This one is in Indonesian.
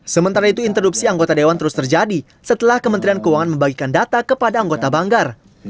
sementara itu interupsi anggota dewan terus terjadi setelah kementerian keuangan membagikan data kepada anggota banggar